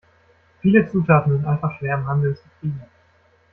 Viele Zutaten sind einfach schwer im Handel zu kriegen.